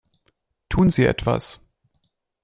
Tun Sie etwas!